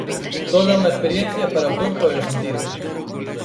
Toda unha experiencia para o corpo e os sentidos.